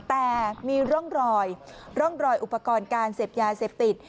แต่มีร่องรอยร่องรอยอุปกรณ์การเสพยาเสพติด